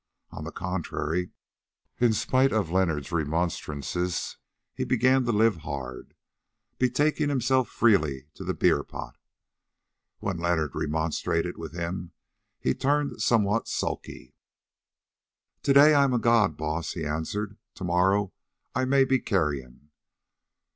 On the contrary, in spite of Leonard's remonstrances he began to live hard, betaking himself freely to the beer pot. When Leonard remonstrated with him he turned somewhat sulky. "To day I am a god, Baas," he answered, "to morrow I may be carrion.